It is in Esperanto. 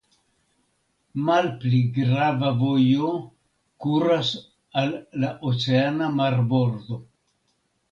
Malpli grava vojo kuras al la oceana marbordo.